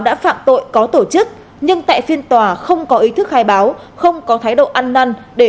đã phạm tội có tổ chức nhưng tại phiên tòa không có ý thức khai báo không có thái độ ăn năn để